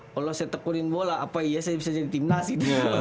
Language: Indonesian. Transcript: kalau saya tekunin bola apa iya saya bisa jadi tim nasi